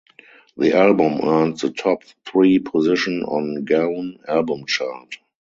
The album earned the top three position on Gaon Album Chart.